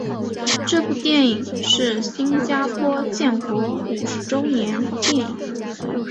这部电影是新加坡建国五十周年电影。